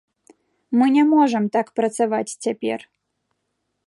Мы не можам так працаваць цяпер.